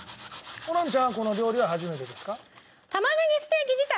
ホランちゃんはこの料理は初めてですか？